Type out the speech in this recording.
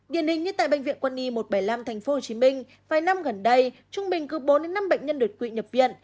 điển hình nhất tại bệnh viện quân y một trăm bảy mươi năm tp hcm vài năm gần đây trung bình cứ bốn năm bệnh nhân đột quỵ nhập viện